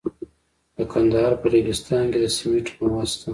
د کندهار په ریګستان کې د سمنټو مواد شته.